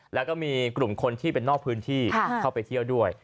แล้วก็มีกลุ่มคนที่เป็นนอกพื้นที่เข้าไปเที่ยวด้วย